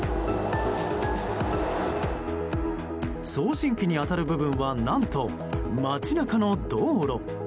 送信機に当たる部分は何と、街中の道路。